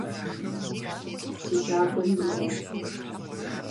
Си кӀагуэри узот.